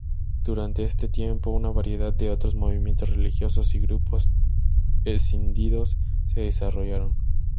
Durante este tiempo una variedad de otros movimientos religiosos y grupos escindidos se desarrollaron.